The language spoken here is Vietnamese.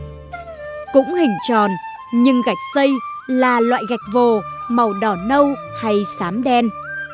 trồi linh tròn nhưng gạch xây là loại gạch vồ màu đỏ nâu hay xám đen